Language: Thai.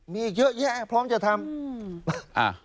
มีอีกเยอะแยะพร้อมจะทำ